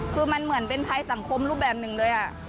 คือมันเหมือนเป็นภัยสังคมรูปแบบหนึ่งเลย